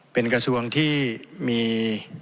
เป็นกระทรวงที่มี